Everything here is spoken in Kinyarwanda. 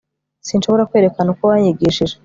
sinshobora kwerekana uko wanyigishije